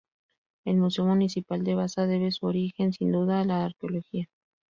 El Museo Municipal de Baza debe su origen, sin duda, a la arqueología.